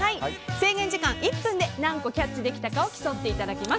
制限時間１分で何個キャッチできたかを競っていただきます。